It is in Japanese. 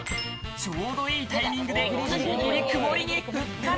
ちょうどいいタイミングでぎりぎり曇りに復活。